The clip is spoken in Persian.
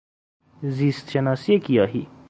زیست شناسی گیاهی